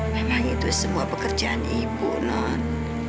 memang itu semua pekerjaan ibu non